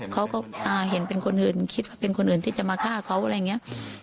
เขาก็เห็นเป็นคนอื่นคิดว่าเป็นคนอื่นที่จะมาฆ่าเขาอะไรอย่างนี้